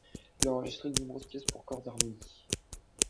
Il a enregistré de nombreuses pièces pour cor d'harmonie.